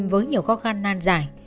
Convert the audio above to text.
với nhiều khó khăn nan dài